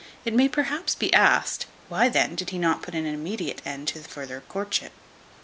It may, perhaps, be asked, Why then did he not put an immediate end to all further courtship?